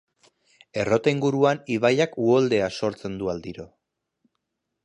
Errota inguruan ibaiak uholdea sortzen du aldiro.